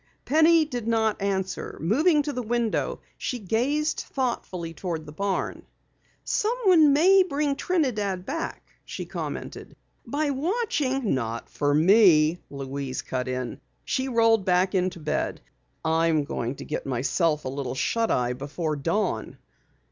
Penny did not reply. Moving to the window, she gazed thoughtfully toward the barn. "Someone may bring Trinidad back," she commented. "By watching " "Not for me," Louise cut in. She rolled back into bed. "I'm going to get myself a little shut eye before dawn."